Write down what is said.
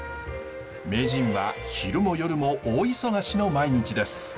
名人は昼も夜も大忙しの毎日です。